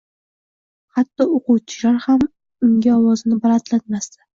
Hatto o‘qituvchilar ham unga ovozini balandlatmasdi.